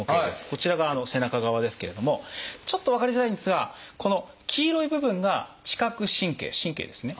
こちらが背中側ですけれどもちょっと分かりづらいんですがこの黄色い部分が「知覚神経」神経ですね。